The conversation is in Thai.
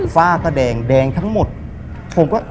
ฝ้าก็แดงแดงทั้งหมดผมก็